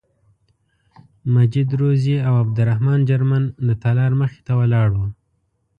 مجید روزي او عبدالرحمن جرمن د تالار مخې ته ولاړ وو.